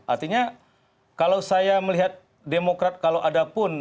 artinya kalau saya melihat demokrat kalau ada pun